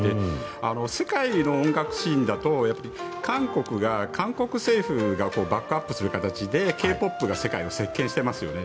世界の音楽シーンだと韓国が韓国政府がバックアップする形でＫ−ＰＯＰが世界を席巻していますよね。